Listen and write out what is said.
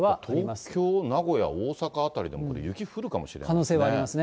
東京、名古屋、大阪辺りでもこれ雪降るかもしれないですね。